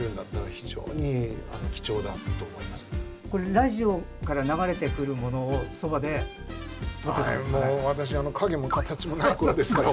ラジオから流れてくるものをそばでとってたんですかね？